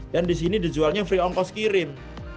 dan di sini dijualnya free on cost kirim